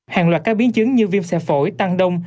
hàng loạt các biến chứng như viêm xe phổi tăng đông